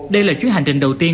đây là chuyến hành trình đầu tiên